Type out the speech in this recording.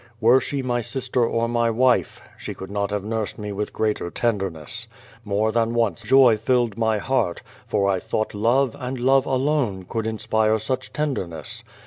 Were she my sister or my wife, she could not have nursed me with greater tenderness. More than one joy filled my heart, for I thought love, and love alone, could inspire such tenderness.